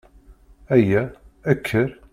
Aya! Kker!